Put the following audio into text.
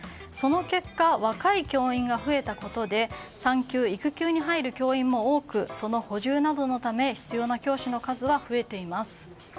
その結果若い教員が増えたことで産休・育休に入る教員も多く、その補充などのため必要な教師の数は増えています。